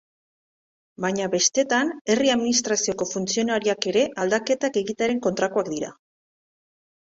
Baina bestetan herri administrazioko funtzionarioak ere aldaketak egitearen kontrakoak dira.